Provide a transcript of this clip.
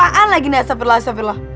apaan lagi nih astagfirullah astagfirullah